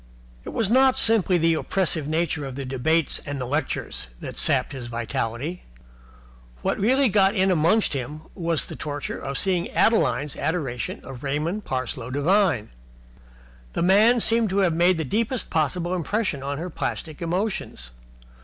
It was not simply the oppressive nature of the debates and lectures that sapped his vitality. What really got right in amongst him was the torture of seeing Adeline's adoration of Raymond Parsloe Devine. The man seemed to have made the deepest possible impression upon her plastic emotions.